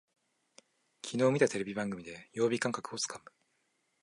きのう見たテレビ番組で曜日感覚をつかむ